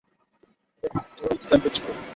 আপনি একটা স্যান্ডউইচ খাবেন?